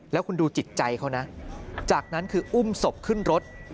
แล้วคุณดูจิตใจเขานะจากนั้นคืออุ้มศพขึ้นรถ